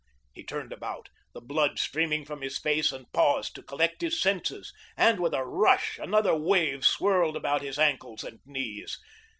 He turned about, the blood streaming from his face, and paused to collect his senses, and with a rush, another wave swirled about his ankles and knees.